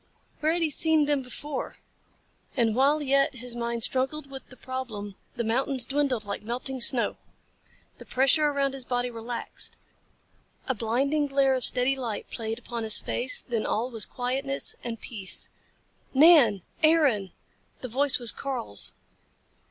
Where had he seen them before? And while yet his mind struggled with the problem the mountains dwindled like melting snow. The pressure around his body relaxed. A blinding glare of steady light played upon his face. Then all was quietness and peace. "Nan! Aaron!" The voice was Karl's.